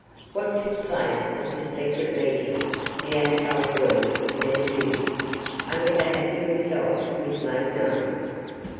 What took place at this secret meeting the outside world never knew. Only the happy result was made known.